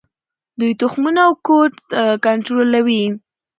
دوی تخمونه او کود کنټرولوي.